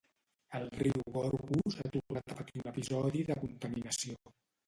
El riu Gorgos ha tornat a patir un episodi de contaminació